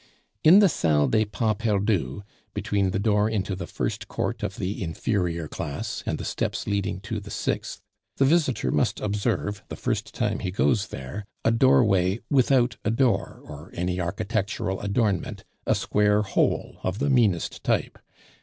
In the Salle des Pas Perdus, between the door into the first court of the inferior class and the steps leading to the sixth, the visitor must observe the first time he goes there a doorway without a door or any architectural adornment, a square hole of the meanest type.